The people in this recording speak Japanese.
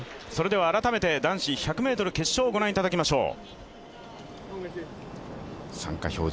改めて男子１００ｍ決勝を御覧いただきましょう。